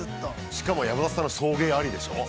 しかも山里さんの送迎ありでしょう。